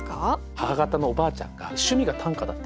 母方のおばあちゃんが趣味が短歌だったんですよ。